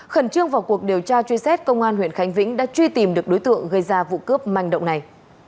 khẩn trương vào cuộc điều tra truy xét công an huyện khánh vĩnh đã truy tìm được đối tượng gây ra vụ cướp manh động này